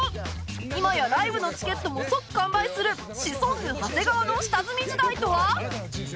今やライブのチケットも即完売するシソンヌ長谷川の下積み時代とは？